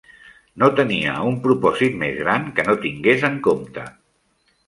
No tenia un propòsit més gran que no tingués en compte.